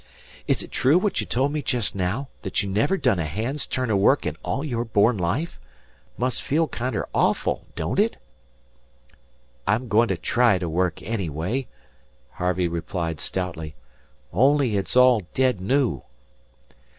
Is it true what you told me jest now, that you never done a hand's turn o' work in all your born life? Must feel kinder awful, don't it?" "I'm going to try to work, anyway," Harvey replied stoutly. "Only it's all dead new."